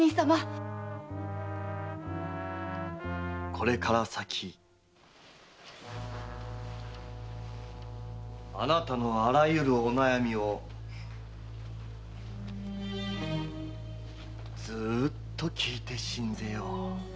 これから先あなたのあらゆるお悩みをずっと聞いて進ぜよう。